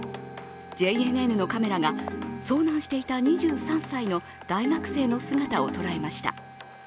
ＪＮＮのカメラが遭難していた２３歳の大学生の姿を捉えました。